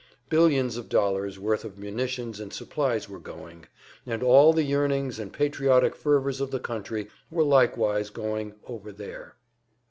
Billions of dollars worth of munitions and supplies were going, and all the yearnings and patriotic fervors of the country were likewise going "over there."